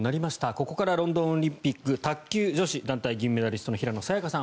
ここからロンドンオリンピック卓球女子団体銀メダリストの平野早矢香さん